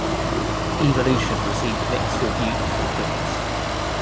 "Evolution" received mixed reviews from critics.